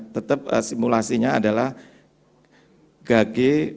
tetap simulasinya adalah gage